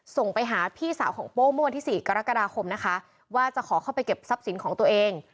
ส่งไปหาพี่สาวของโป้เมื่อวันที่๔กรกฎาคมนะคะว่าจะขอเข้าไปเก็บทรัพย์สินของตัวเอง